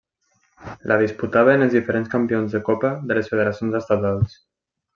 La disputaven els diferents campions de copa de les federacions estatals.